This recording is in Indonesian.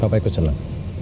bapak ikut senang